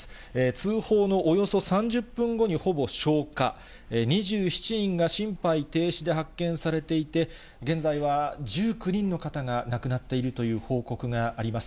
通報後、およそ３０分後にほぼ消火、２７人が心肺停止で発見されていて、現在は１９人の方が亡くなっているという報告があります。